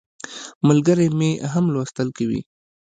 ملګری مې هم لوستل کوي.